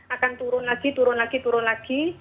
akan turun lagi turun lagi turun lagi